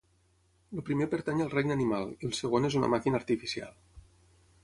El primer pertany al regne animal i el segon és una màquina artificial.